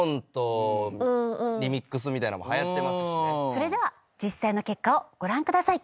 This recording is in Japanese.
それでは実際の結果をご覧ください。